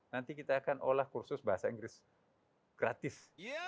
nanti kita akan olah kursus bahasa inggris gratis